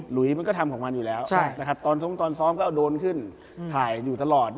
หลุยมันก็ทำของมันอยู่แล้วตอนซ้อมก็โดนขึ้นถ่ายอยู่ตลอด